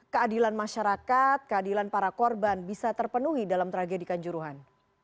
keadilan masyarakat keadilan para korban bisa terpenuhi dalam tragedi kanjuruhan